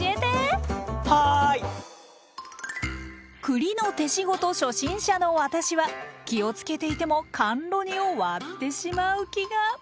栗の手仕事初心者の私は気をつけていても甘露煮を割ってしまう気が。